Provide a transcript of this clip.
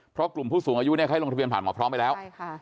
เพราะกลุ่มผู้สูงอายุเนี่ยเขาลงทะเบียผ่านหมอพร้อมไปแล้ว